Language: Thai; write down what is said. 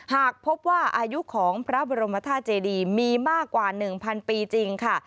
หากพบว่าอายุของพระบรมธาตุเจดีมีมากกว่า๑๐๐ปีจริงค่ะ